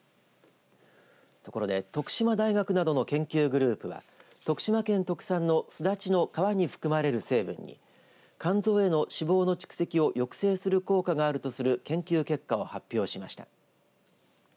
徳島大学などの研究グループは徳島県特産のすだちの皮に含まれる成分に肝臓への脂肪の蓄積を抑制する効果があるとする研究結果を発表しました。